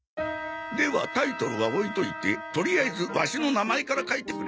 ではタイトルは置いといてとりあえずワシの名前から書いてくれ。